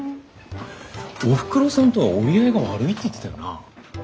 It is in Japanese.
おふくろさんとは折り合いが悪いって言ってたよな。